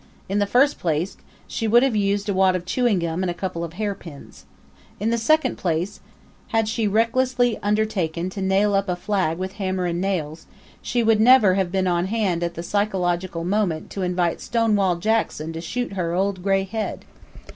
In the first place, she would have used a wad of chewing gum and a couple of hairpins. In the second place, had she recklessly undertaken to nail up a flag with hammer and nails, she would never have been on hand at the psychological moment to invite Stonewall Jackson to shoot her old gray head.